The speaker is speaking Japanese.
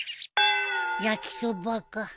焼きそばか。